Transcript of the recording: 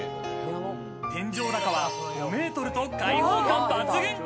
天井高は５メートルと開放感抜群。